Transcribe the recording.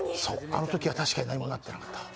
あのときは確かに何もなってなかった。